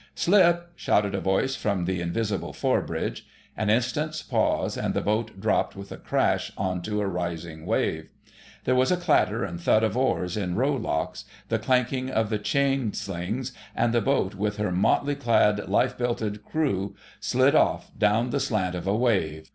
"Slip!" shouted a voice from the invisible fore bridge. An instant's pause, and the boat dropped with a crash on to a rising wave, There was a clatter and thud of oars in row locks; the clanking of the chain slings, and the boat, with her motley clad[#] life belted crew, slid off down the slant of a wave.